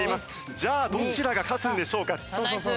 じゃあどちらが勝つんでしょうか？